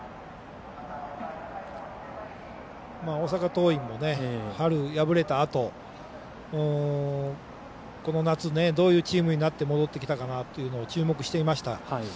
大阪桐蔭も春、敗れたあとこの夏、どういうチームになって戻ってきたかなというのを注目していました。